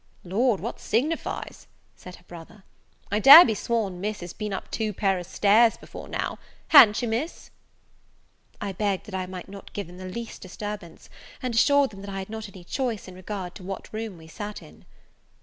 "Lord, what signifies?" said her brother; "I dare be sworn Miss has been up two pair of stairs before now; ha'n't you, Miss?" I begged that I might not give them the least disturbance; and assured them that I had not any choice in regard to what room we sat in.